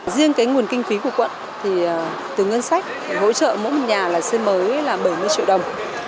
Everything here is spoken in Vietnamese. riêng cái nguồn kinh phí của quận thì từ ngân sách hỗ trợ mỗi một nhà là xây mới là bảy mươi triệu đồng